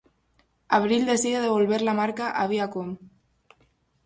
Abril decide devolver la marca a Viacom.